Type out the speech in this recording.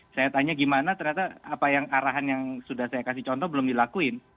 saya tanya gimana ternyata apa yang arahan yang sudah saya kasih contoh belum dilakuin